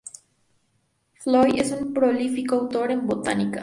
Floyd es un prolífico autor en botánica.